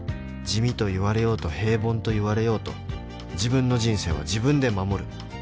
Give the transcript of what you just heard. ［地味と言われようと平凡と言われようと自分の人生は自分で守る］